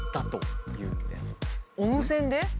温泉で？